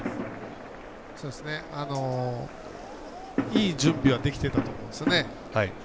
いい準備はできていたと思うんですよね。